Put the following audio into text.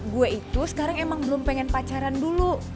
gue itu sekarang emang belum pengen pacaran dulu